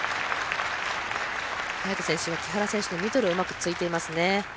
早田選手は木原選手のミドルをうまく突いています。